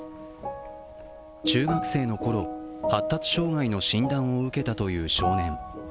中学生のころ、発達障害の診断を受けたという少年。